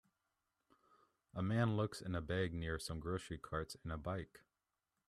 A man looks in a bag near some grocery carts and a bike.